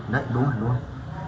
đấy đúng rồi